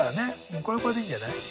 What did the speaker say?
これはこれでいいんじゃない？